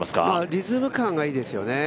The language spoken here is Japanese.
リズム感がいいですよね。